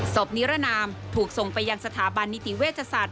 นิรนามถูกส่งไปยังสถาบันนิติเวชศาสต